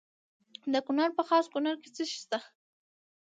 د کونړ په خاص کونړ کې څه شی شته؟